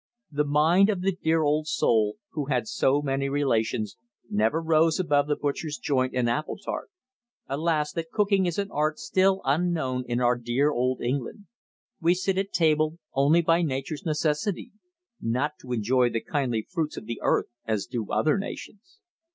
The mind of the dear old soul, who had so many relations, never rose above the butcher's joint and apple tart. Alas! that cooking is an art still unknown in our dear old England. We sit at table only by Nature's necessity not to enjoy the kindly fruits of the earth as do other nations.